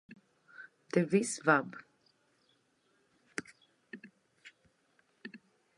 De V. Schwab.